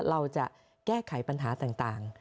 เราจะแก้ไขปัญหาต่าง